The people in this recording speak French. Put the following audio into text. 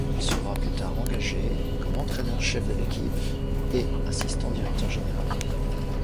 Il sera plus tard engagé comme entraineur chef de l'équipe et assistant directeur général.